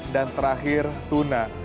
dan terakhir tuna